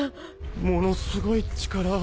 ものすごい力を。